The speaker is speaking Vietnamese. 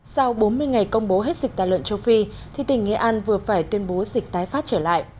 sau bốn mươi ngày công bố hết dịch tả lợn châu phi thì tỉnh nghệ an vừa phải tuyên bố dịch tái phát trở lại